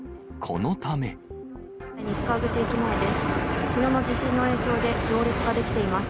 西川口駅前です。